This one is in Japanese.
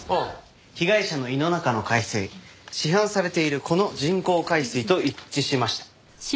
被害者の胃の中の海水市販されているこの人工海水と一致しました。